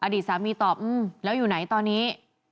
อดีตสามีตอบแล้วอยู่ไหนตอนนี้